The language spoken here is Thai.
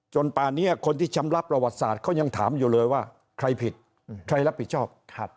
ป่านี้คนที่ชำระประวัติศาสตร์เขายังถามอยู่เลยว่าใครผิดใครรับผิดชอบ